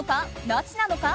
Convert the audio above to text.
なしなのか？